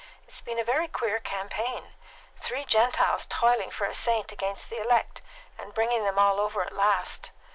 It's been a very queer campaign; three Gentiles toiling for a saint against the elect, and bringing them all over at last.